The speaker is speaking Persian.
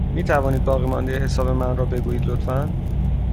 می توانید باقیمانده حساب من را بگویید، لطفا؟